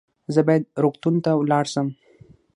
زه باید روغتون ته ولاړ سم